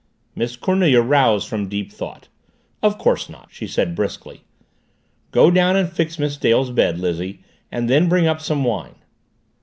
Miss Cornelia roused from deep thought. "Of course not," she said briskly. "Go down and fix Miss Dale's bed, Lizzie. And then bring up some wine."